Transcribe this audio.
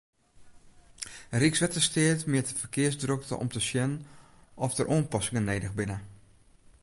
Rykswettersteat mjit de ferkearsdrokte om te sjen oft der oanpassingen nedich binne.